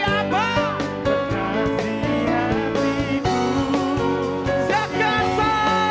apa apa kekasih hatiku jakarta